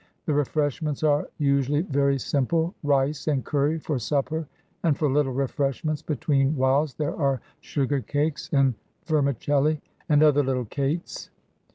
The refreshments are usually very simple rice and curry for supper, and for little refreshments between whiles there are sugar cakes and vermicelli, and other little cates.